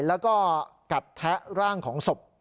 แล้วก็กัดแทะร่างของศพ